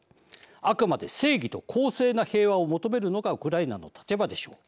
あくまで正義と公正な平和を求めるのがウクライナの立場でしょう。